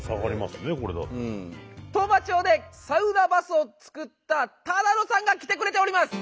当麻町でサウナバスを作った只野さんが来てくれております！